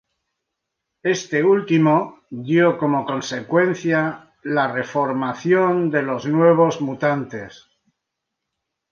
Este último, dio como consecuencia la reformación de los Nuevos Mutantes.